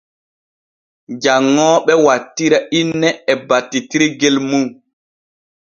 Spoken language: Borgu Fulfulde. Janŋooɓe wattira inne e battitirgel mum.